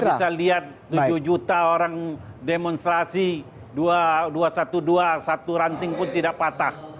kita bisa lihat tujuh juta orang demonstrasi dua ratus dua belas satu ranting pun tidak patah